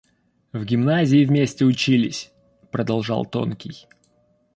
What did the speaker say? — В гимназии вместе учились! — продолжал тонкий.